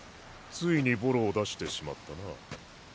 ついにボロを出してしまったな。